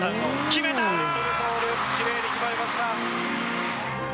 きれいに決まりました！